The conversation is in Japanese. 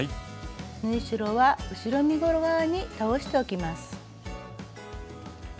縫い代は後ろ身ごろ側に倒しておきます。